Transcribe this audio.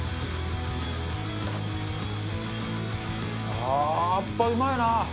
あー、やっぱうまいなぁ。